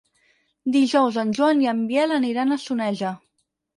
Dijous en Joan i en Biel aniran a Soneja.